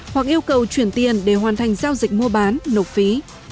hoặc yêu cầu chuyển tiền để hoàn thành giao dịch mua bán nộp phí